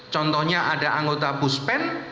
contohnya ada anggota buspen